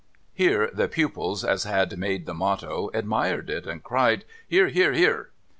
' Here the pupils as had made the motto admired it, and cried, ' Hear 1 Hear ! Hear